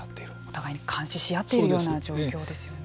お互いに監視し合っているような状況ですよね。